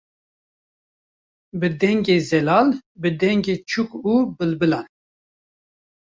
bi dengê zelal, bi dengê çûk û bilbilan